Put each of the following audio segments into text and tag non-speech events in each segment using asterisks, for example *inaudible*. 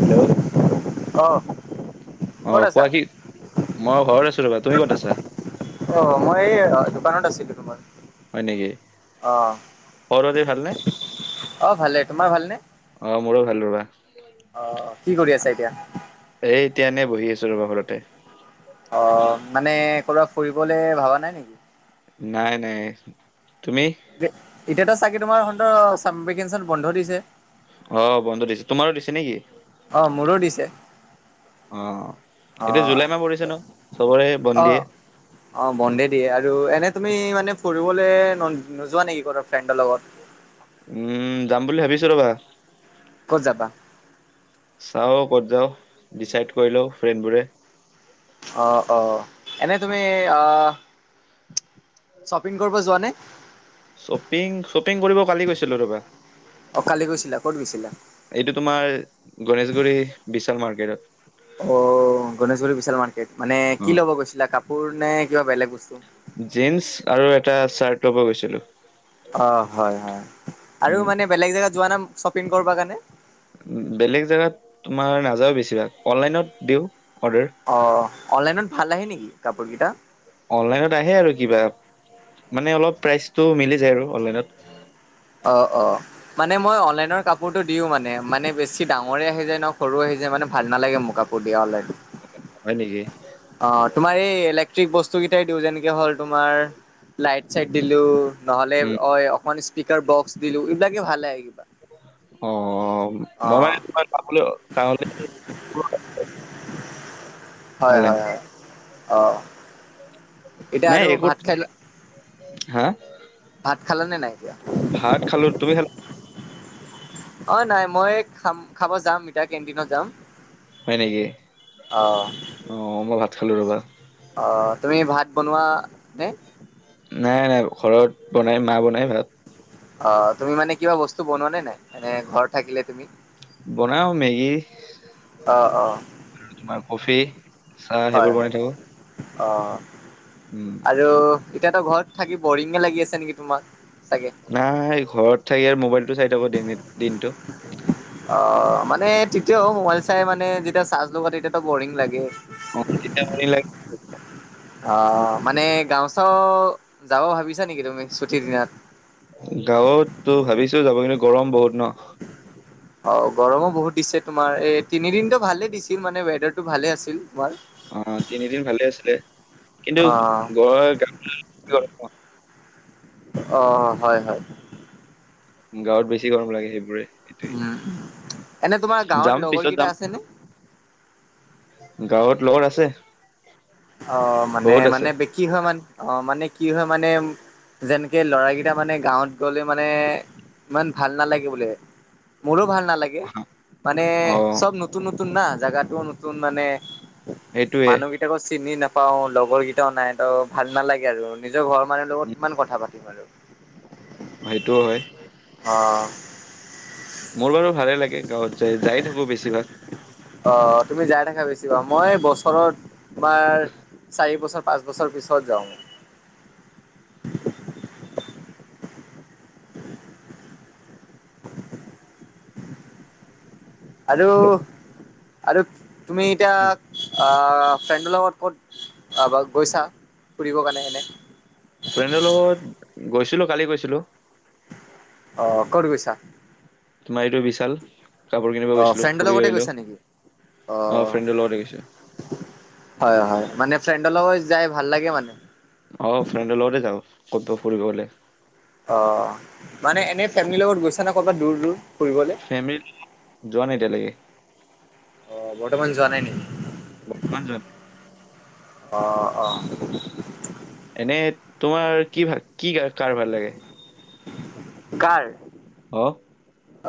Hello অ ক'ত অঁ আছা? কোৱা কি মই ঘৰত আছোঁ ৰ'বা তুমি ক'ত আছা অ মই এই দোকানত আছিলো তোমাৰ হয় নিকি অ', খবৰ খাটি ভাল নে অ ভালে। তোমাৰ ভালনে? মোৰো ভাল ৰ'বা অ কি কৰি আছা এতিয়া? এ এতিয়া এনেই বহি আছো ৰবা ঘৰতে। অ মানে ক'বাত ফুৰিবলে ভাবা নাই নিকি? নাই নাই তুমি এতে এতিয়াতো চাগে তোমাৰ সন্ত চামভেকেশ্বন বন্ধ দিছে? অ বন্ধ দিছে। তোমাৰো দিছে নেকি? অ মোৰো দিছে। অ। এতিয়া অ', জুলাই মাহ পৰিছে ন। চবৰে বন অ', দিয়ে। অ বন্ধে দিয়ে। আৰু এনে তুমি মানে ফুৰিবলে নো নোযোৱা নেকি ক-ৰ ফ্ৰেণ্ডৰ লগত? উম যাম বুলি ভাবিছো ৰ'বা। ক'ত যাবা? চাও ক'ত যাওঁ। ডিচাইড কৰি লও ফ্ৰেণ্ডবোৰে। অ অ এনে তুমি আ শ্বপিং কৰিব যোৱা নে? শ্বপিং শ্বপিং কৰিব কালি গৈছিলো ৰবা। অ কালি গৈছিলা, ক'ত গৈছিলা? এইটো তোমাৰ গণেশগুৰি বিশাল মাৰ্কেটত। অ গনেেশগুৰি বিশাল মাৰ্কেট, মানে অ কি ল'ব গৈছিলা কাপোৰ নে কিবা বেলেগ বস্তু? জীন্স আৰু এটা চাৰ্ট লব গৈছিলো। অ হয় হয়। আৰু উম মানে বেলেগ জেগাত যোৱা নাম শ্বপিং কৰবা কাৰণে? বেলেগ জেগাত তোমাৰ নাযাওঁ বেছিভাগ, অনলাইনত দিওঁ অৰ্ডাৰ। অ অনলাইনত ভাল আহে নেকি কাপোৰ গিটা? অনলাইনত আহে আৰু কিবা মানে অলপ প্ৰাইচটো মিলি যায় আৰু অনলাইনত। অ অ। মানে মই অনলাইনৰ কাপোৰতটো দিও মানে। মানে বেছি ডাঙৰে আহি যায় নে, সৰুয়ে আহি যায় মানে ভাল নালাগে মোৰ কাপ- বুলি অনলাইন। হয় নেকি? অ তোমাৰ এই ইলেক্ট্ৰিক বস্তু কেইটাই দিওঁ, যেনেকে হ'ল তোমাৰ লাইট চাইট দিলো। নহলে উম অ অ স্পীকাৰ বক্স দিলো এইবিলাকে ভালে কিবা। অ মই মানে অ' তোমাক যাবলৈ কাওলে হয় অনলাইন হয় হয় অ। এতিয়া নাই আৰু একো। ভাত খাই হা? ভাত খালে নাই এতিয়া? ভাত খালো। তুমি খালা? অ নাই মই খাম খাব যাম এতিয়া কেণ্টিনত যাম। হয় নেকি? অ অ মই ভাত খালো ৰবা। অ তুমি ভাত বনোৱা নে? নাই নাই ঘৰত বনাই মা বনাই ভাত। অ তুমি মানে কিবা বস্তু বনোৱা নে নাই এনে ঘৰ থাকিলে তুমি? বনাঁও মেগী অ অ আৰু তোমাৰ কফি চাহ সেইবোৰ হয় হয় বনাই থাকো অ। উম। আৰু এতিয়াতো ঘৰত থাকি বৰিঙে লাগি আছে নেকি তোমাক চাগে? নাই ঘৰত থাকি আৰু মোবাইলটো চাই থাকো দেনেত দিনটো। অ মানে তেতিয়াও মোবাইল চাই মানে যেতিয়া চাৰ্জ লগা তেতিয়াতো বৰিং লাগে। অ তেতিয়া আমনি লাগ- অ মানে গাওঁ চাওঁ যাব ভাবিছা নেকি তুমি ছুটিৰ দিনাত? গাঁৱতো ভাবিছো যাব কিন্তু গৰম বহুত ন। অ গৰমো বহুত দিছে তোমাৰ এই তিনিদিনো ভালে দিছিল মানে ৱেডাৰটো ভালে আছিল। তোমাৰ। অ তিনিদিন ভালে আছিলে কিন্তু অ', ঘৰৰ *unintelligible* অ হয় হয়। গাঁৱত বেছি গৰম লাগে সেইবোৰে। উম সেইটোৱে এনে তোমাৰ যাম গাঁৱত লগৰ পিছত যাম কেইটা আছে নে? গাঁৱত লগৰ আছে। অ মানে বহুত মানে আছে কি হয় মানে অ মানে কি হয় মানে যেনেকে লৰা কেইটা মানে গাঁৱত গলে মানে ইমান ভাল নালাগে বোলে। মোৰো ভাল নালাগে মানে অ চব নতুন নতুন না জোগাটোও নতুন মানে সেইটোৱে মানুহ কেইটাকো চিনি নাপাওঁ লগৰ কেইটাও নাই ত ভাল নালাগে আৰু। নিজৰ ঘৰৰ মানুহৰ উম, লগত কিমান কথা পাতিম আৰু। সেইটোও হয়। অ। মোৰ বাৰু ভালেই লাগে গাঁৱত যায় যায়েই থাকো বেছিভাগ। অ তুমি যাই থাকা বেছি ভাগ মই বছৰত তোমাৰ চাৰি বছৰ পাঁচ বছৰ পিছত যাওঁ। আৰু আৰু তুমি এতিয়া আ ফ্ৰেণ্ডৰ লগত ক'ত আ বা গৈছা ফুৰিবৰ কাৰণে এনে? ফ্ৰেণ্ডৰ লগত গৈছিলোঁ কালি গৈছিলোঁ। অঁ ক'ত গৈছা? তোমাৰ এইটো বিশাল কাপোৰ কিনিব অ গৈছিলোঁ ফ্ৰেণ্ডৰ ফুৰি লগতে আহিলোঁ গৈছা নেকি অ অঁ ফ্ৰেণ্ডৰ লগতে গৈছোঁ। হয় হয় মানে ফ্ৰেণ্ডৰ লগত যাই ভাল লাগে মানে। অ ফ্ৰেণ্ডৰ লগতে যাওঁ ক'ৰবাত ফুৰিব গ'লে। অ মানে এনেই ফেমিলিৰ লগত গৈছা নে কৰ'বাত দূৰ দূৰ? ফুৰিবলে ফেমিলি লগত যোৱা নাই এতিয়ালেকে। অহ বৰ্তমান যোৱা নাই নেকি? কিমান যোৱা অঁ অঁ। এনেই তোমাৰ কি ভাল কি গা কাৰ ভাল লাগে? কাৰ? অহ।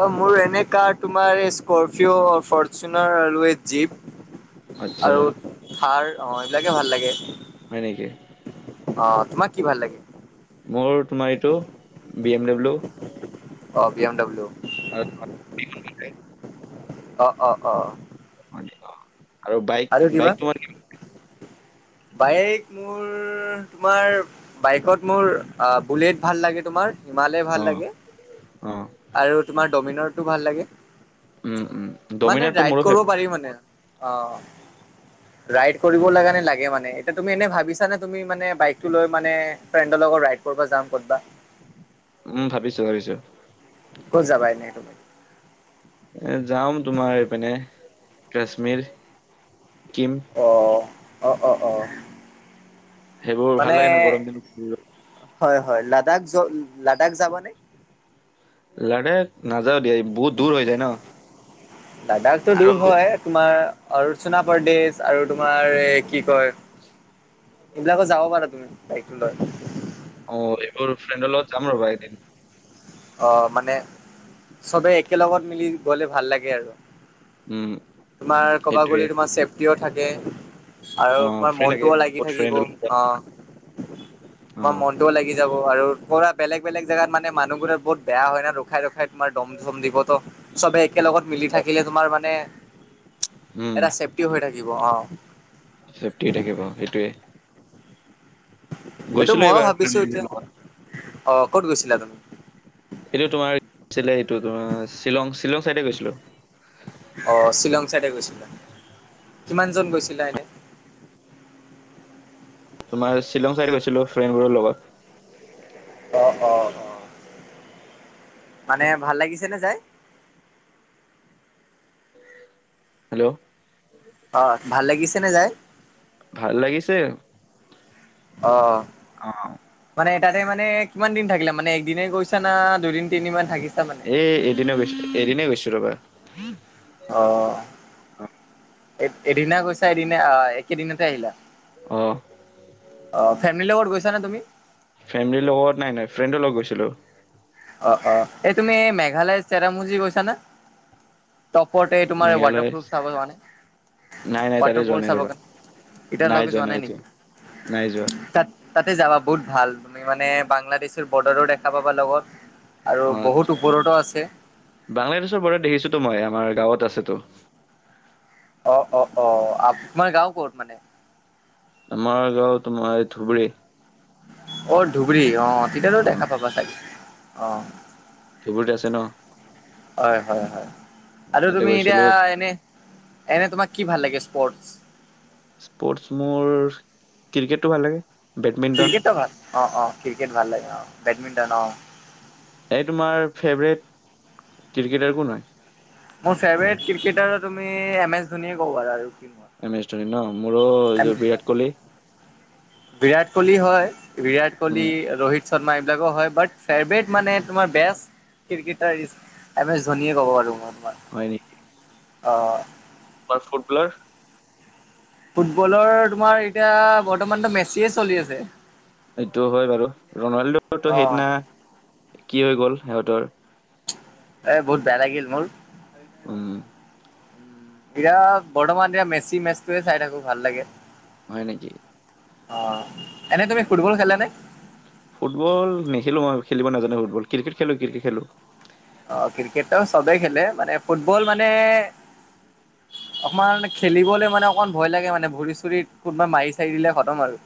অঁ মোৰ এনে কাৰ তোমাৰ এই স্কৰ্পিয়, ফৰ্চোনাৰ আৰু এই জিপ। আচ্ছা আৰু হয় থাৰ অঁ এইবিলাকে ভাল লাগে। হয় নেকি? অঁ তোমাৰ কি ভাল লাগে? মোৰ তোমাৰ এইটো বি এম ডব্লিউ। অঁ বি এম ডব্লিউ। আৰু *unintelligible* অঁ অঁ অঁ অঁ। আৰু বায়েক বায়েক তোমাৰ কি বায়েক মোৰ তোমাৰ বায়েকত মোৰ আ বুলেট ভাল লাগে তোমাৰ হিমালয় ভাল অ লাগে অ আৰু তোমাৰ ডমিনাৰটো ভাল লাগে। উম উম মানে ডমিনাৰটো ৰায়েড মোৰো কৰিব ফেভ পাৰি মানে। অঁ ৰায়েড কৰিবলে কানে লাগে মানে। মানে, এতিয়া তুমি এনে ভাবিছা নে তুমি মানে বায়েকটো লৈ মানে ফ্ৰেণ্ডৰ লগত ৰাইড কৰবা যাম ক'তবা? উম, ভাবিছোঁ ভাবিছোঁ। ক'ত যাবা এনেই তুমি? এ যাম তোমাৰ এইপিনে কাশ্মীৰ চিক্কিম। অহ, অঁ অঁ অঁ। সেইবোৰ ভাল লাগে ন গৰম দিনত ফুৰিব। হয় হয় লাডাখ য লাডাখ যাবা নে? লাডাখ নাযাওঁ দিয়া বহুত দূৰ হৈ যায় ন। লাডাখটো আৰু দূৰ হয় তোমাৰ অৰুচোণা প্ৰদেশ, আৰু তোমাৰ এই কি কয় এইবিলাকত যাব পাৰা তুমি বায়েক লৈ। অঁ এইবাৰ ফ্ৰেণ্ডৰ লগত যাম ৰ'বা এদিন। অঁ মানে চবে একেলগত মিলি গ'লে ভাল লাগে আৰু। উম তোমাৰ কবা সেইটোৱে গ'লে তোমাৰ ছেফটিও থাকে। আৰু অ তোমাৰ ফ্ৰী লাগে মনটোও লাগি বহুত থাকিব। ফ্ৰেণ্ডৰ লগত অঁ অ তোমাৰ মন টোও লাগি যাব আৰু পুৰা বেলেগ বেলেগ জেগাত মানে মানুহবোৰে বহুত বেয়া হয় না ৰখাই ৰখাই তোমাৰ দম চম দিব ত'। চবে একেলগত মিলি থাকিলে তোমাৰ মানে উম এটা চেফটি হৈ থাকিব অঁ। চেফটি হৈ থাকিব সেইটোৱে। এইটো গৈছিলো ময়ো এইবাৰ ভাবিছোঁ বিলাকৰ এতিয়া, লগত। অঁ ক'ত গৈছিলা তুমি? এইটো তোমাৰ আছিলে এইটো তোমাৰ শ্বিলং শ্বিলং চাইডে গৈছিলোঁ। অঁ শ্বিলং চাইডে গৈছিলা। কিমান জন গৈছিলা এনে? তোমাৰ শ্বিলং চাইডে গৈছিলোঁ ফ্ৰেণ্ডবোৰৰ লগত। অঁ অঁ অঁ। মানে ভাল লাগিছে নে যাই? হেল্ল' অ, ভাল লাগিছে নে যায়? ভাল লাগিছে। অ অ মানে তাতে মানে কিমান দিন থাকিলা মানে একদিনে গৈছা না দুদিন তিনিদিনমান থাকিছা মানে? এ এদিনে গৈছিলো, এদিনে গৈছো ৰবা। অ এ এদিনা কৈছা এদিনা আহ একেদিনতে আহিলা? অ অ ফেমিলিৰ লগত গৈছা নে তুমি? ফেমিলিৰ লগত, নাই নাই ফ্ৰেণ্ডৰ লগত গৈছিলো। অ, এ এই তুমি মেঘালয় চেৰাপুঞ্জী গৈছা না? টপৰতে তোমাৰ ৱাটাৰ মেঘালয় প্ৰুফ চাবৰ কাৰণে নাই নাই তাতে যোৱা ৱাটাৰফল নাই চাবৰ ৰবা কাৰণে এতিয়ালৈকে যোৱা নাই নাই যোৱা নেকি? তাত তাতে যাবা বহুত ভাল, তুমি মানে বাংলাদেশৰ বৰ্ডাৰো দেখা পাবা লগত আৰু অ আচ্ছা বহুত ওপৰতো আছে। বাংলাদেশৰ পৰা দেখিছোতো মই আমাৰ গাঁৱত আছেতো অ অ অ আ মাৰ গাঁও ক'ত মানে? আমাৰ গাঁও তোমাৰ এই ধুবুৰী অ ধুবুৰী অ, তেতিয়াতো অ দেখা পাবা চাগে, অ ধুবুৰীত আছে ন হয় হয় হয় আৰু তাতে তুমি এতিয়া গৈছিলো এনে এনে তোমাক কি ভাল লাগে স্পৰ্টছ? স্পৰ্টছ মোৰ ক্ৰিকেটতো ভাল লাগে। বেডমিণ্টন ক্ৰিকেটতো ভাল। অ অ ক্ৰিকেট ভাল লাগে অ বেডমিণ্টন অ। এই তোমাৰ ফেভৰেট ক্ৰিকেটাৰ কোন হয় মোৰ ফেভৰেট ক্ৰিকেটাৰ তুমি এম এছ ধোনীয়ে ক'ব পাৰা আৰু কিনো আৰু এম এছ ধোনি ন মোৰো এই যে বিৰাট কোহলি বিৰাট কোহলি হয় বিৰাট কোহলি উম ৰোহিত শৰ্মা এইবিলাকো হয় বাট ফেভৰেট মানে তোমাৰ বেষ্ট ক্ৰিকেটাৰ এম এছ ধোনীয়েে ক'ব পাৰো মই তোমাৰ হয় নেকি অ তোমাৰ ফুটবলাৰ ফুটবলৰ তোমাৰ এতিয়া বৰ্তমানতো মেচিয়ে চলি আছে। সেইটো হয় বাৰু, ৰনাল্ডোতো অ' সেইদিনা কি হৈ গ'ল সিহঁতৰ এ বহুত বেয়া লাগিল মোৰ উম এতিয়া বৰ্তমান এতিয়া মেচি মেচটোৱে চাই থাকো ভাল লাগে। হয় নেকি অ এনে তুমি ফুটবল খেলা নে ফুটবল নেখেলো মই খেলিব নাজানো ফুটবল ক্ৰিকেট খেলো ক্ৰিকেট খেলো অ ক্ৰিকেট তাও চবেই খেলে মানে ফুটবল মানে অকমান খেলিবলে মানে অকণমান ভয় লাগে মানে ভৰি চৰিত কোনোবা মাৰি চাৰি দিলে খতম আৰু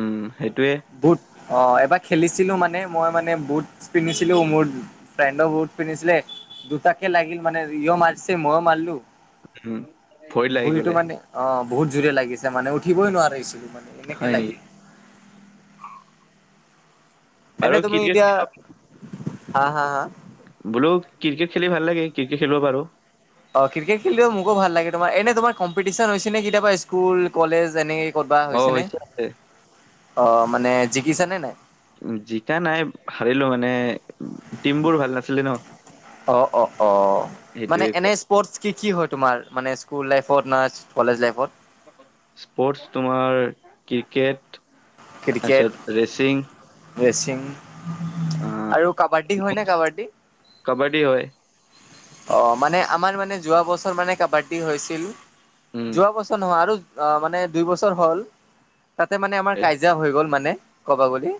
উম সেইটোৱে বুট অ এবাৰ খেলিছিলো মানে মই মানে বুট পিন্ধিছিলো মোৰ ফ্ৰেণ্ডৰ বুট পিন্ধিছিলে দুটাকে লাগিল মানে ইও মাৰিছে মইয়ো মাৰলো উম ভৰিত লাগি ভৰিটো গ'লে মানে অ বহুত জোৰে লাগিছে মানে উঠিবই নোৱাৰিছিলো মানে হয় এনেকে নেকি লাগে বাৰু এনে তুমি ক্ৰিকেট এতিয়া হা হা হা বোলো ক্ৰিকেট খেলি ভাল লাগে ক্ৰিকেট খেলিব পাৰো অ ক্ৰিকেট খেলিও মোকো ভাল লাগে তোমাৰ এনে তোমাৰ কম্পিটিশন হৈছে নে কেতিয়াবা স্কুল কলেজ এনেকে ক'ত বা অ হৈছে নে আছে অ মানে জিকিছা নে নাই জিকা নাই হাৰিলোঁ মানে টিম বোৰ ভাল নাছিলে ন অ অ অ মানে সেইটোৱে এনে ক স্পৰ্টছ কি কি হয় তোমাৰ মানে স্কুল লাইফত না-চ কলেজ লাইফত স্পৰ্টছ তোমাৰ ক্ৰিকেট তাৰপিছত ক্ৰিকেট ৰেচিং ৰেচিং আৰু কাবাদ্দী হয় নে কাবাদী কাবাদী হয় অ মানে আমাৰ মানে যোৱা বছৰ মানে কাবাদ্দী হৈছিল উম যোৱা বছৰ নহয় আৰু অ মানে দুই বছৰ হ'ল তাতে মানে আমাৰ এ- কাইজা হৈ গ'ল মানে কব গলি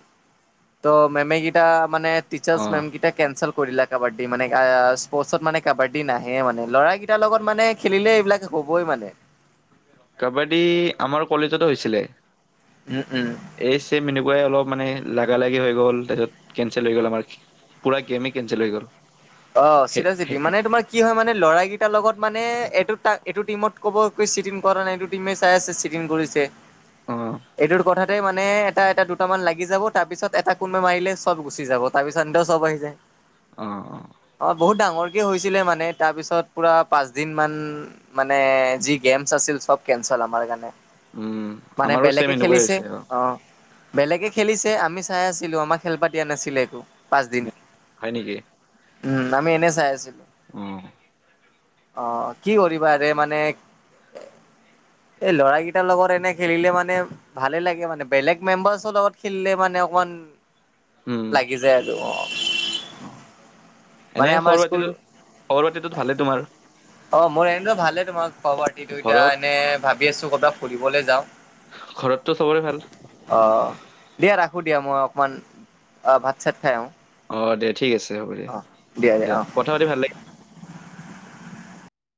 ত মেমে গিটা মানে টিচাৰ্ছ অ মেমকিটা কেনচেল কৰিলা কাবাদী মানে আ স্পৰ্টছ পাছত মানে কাবাদী নাহে মানে ল'ৰাগিটাৰ লগত মানে খেলিলে এইবিলাক হ'বই মানে কাবাদী আমাৰ কলেজতো হৈছিলে উম উম এই চেম এনেকোৱাই অলপ মানে লাগা লাগি হৈ গ'ল তাৰপিছত কেনচেল হৈ গ'ল আমাৰ পুৰা গেমে কেঞ্চেল হৈ গ'ল অ সেই চিদাচিদি সেই মানে তোমাৰ কি হয় মানে ল'ৰা কেইটাৰ লগত মানে এইটো টা এইটো টিমত ক'ব কৈ চিটিং কৰা নাই টিমে চাই আছে চিটিং কৰিছে অ এইটো কথাতে মানে এটা এটা দুটামান লাগি যাব তাৰ পিছত এটা কোনবাক মাৰিলে চব গুচি যাব তা পি চান্দ চব আহি যায় অ অ অ বহুত ডাঙৰকে হৈছিলে মানে তাৰ পিছত পুৰা পাঁচ দিন মান মানে যি গেমছ আছিল চব কেনঞ্চেল আমাৰ কাৰণে উম মানে আমাৰো ছেম বেলেকে এনেকুৱাই খেলিছে হৈছে অ। বেলেগে খেলিছে আমি চাই আছিলো আমাক খেলবা দিয়া নাছিলে একো পাঁচদিন। হয় নিকি? উম আমি এনে চাই আছিলো উম অহ কি কৰিবা ৰে মানে এ এ ল'ৰা কেইটাৰ লগত এনে খেলিলে মানে ভালে লাগে মানে বেলেগ মেম্বাৰ্চৰ লগত খেলিলে মানে অকমান উম লাগি যায় আৰু অ অ মানে এনেই আমাৰ খবৰ স্কুল খাটিটো খবৰ খাতিটো ভালেই তোমাৰ অ মোৰ এনেতো ভালে তোমাক *unintelligible* টো এতিয়া ঘৰত এনেই ভাবি আছো কতবা ফুৰিবলে যাওঁ। ঘৰততো চবৰে ভাল? অ দিয়া ৰাখো দিয়া মই অকমান অ ভাত চাত খাই আহোঁ। অ দে ঠিক আছে হ'ব দে দিয়া দিয়া দিয়ক অ। কথা পাতি ভাল লাগিল।